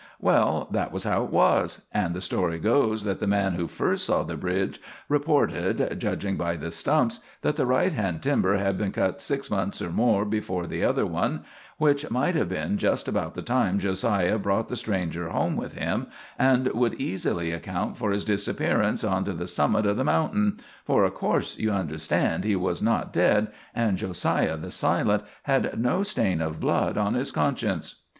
Well, that was how it was; and the story goes that the man who first saw the bridge reported, judging by the stumps, that the right hand timber had been cut six months or more before the other one, which might have been just about the time Jo siah brought the stranger home with him, and would easily account for his disappearance onto the summit of the mountain, for of course you understand he was not dead, and Jo siah the Silent had no stain of blood on his conscience.